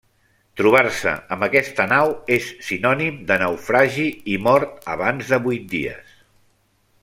Trobar-se amb aquesta nau és sinònim de naufragi i mort abans de vuit dies.